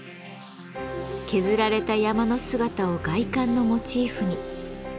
削られた山の姿を外観のモチーフに。